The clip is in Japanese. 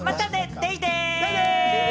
デイデイ！